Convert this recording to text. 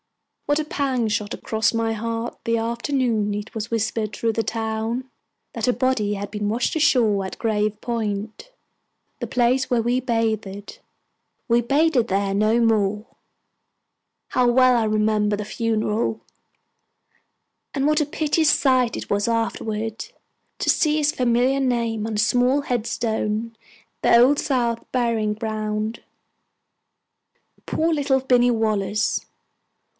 What a pang shot across my heart the afternoon it was whispered through the town that a body had been washed ashore at Grave Point the place where we bathed. We bathed there no more! How well I remember the funeral, and what a piteous sight it was afterwards to see his familiar name on a small headstone in the Old South Burying Ground! Poor little Binny Wallace!